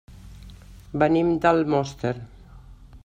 Venim d'Almoster.